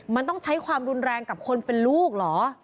มันต้องใช้ความรุนแรงกับคนเป็นลูกเหรอ